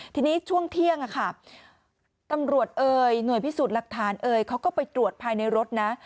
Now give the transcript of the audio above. ทีนี้ช่วงเที่ยงตำรวจเอ่ยหน่วยพิสูจน์หลักฐานเอ่ยเขาก็ไปตรวจภายในรถนะ